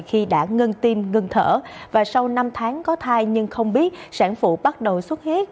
khi đã ngân tim ngưng thở và sau năm tháng có thai nhưng không biết sản phụ bắt đầu xuất huyết